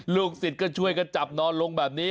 ลูกศิษย์ก็ช่วยกันจับนอนลงแบบนี้